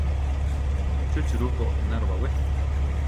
Chú churupo enaro baʼwí?